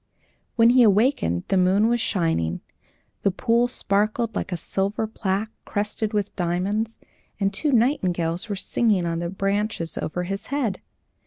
When he awakened the moon was shining, the pool sparkled like a silver plaque crusted with diamonds, and two nightingales were singing in the branches over his head.